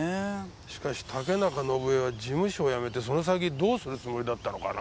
しかし竹中伸枝は事務所を辞めてその先どうするつもりだったのかな？